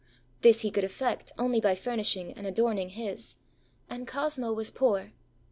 This he could effect only by furnishing and adorning his. And Cosmo was poor.